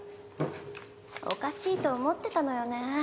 おかしいと思ってたのよね。